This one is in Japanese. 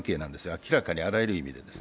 明らかにあらゆる意味で。